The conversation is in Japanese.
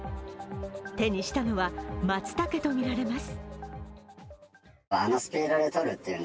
手にしたのはまつたけとみられます。